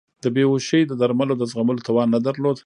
د بیهوشۍ د درملو د زغملو توان نه درلود.